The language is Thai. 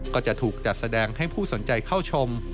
ก็จะถูกจัดแสดงให้ผู้สนใจเข้าชม